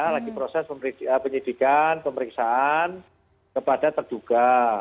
lagi proses penyidikan pemeriksaan kepada terduga